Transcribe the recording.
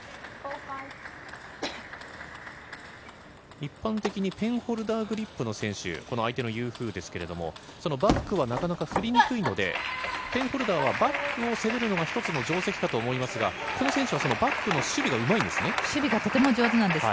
一般的にペンホルダーグリップの選手、相手のユー・フーですが、バックはなかなか振りにくいので、ペンホルダーはバックを攻めるのが一つの定石かと思いますが、この選手はバックの守備が上手いんですね。